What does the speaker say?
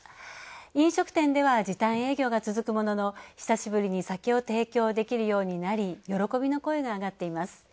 飲食店では時短営業が続くものの、久しぶりに酒を提供できるようになり喜びの声が上がっています。